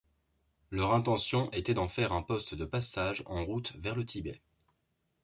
Leur intention était d’en faire un poste de passage en route vers le Tibet.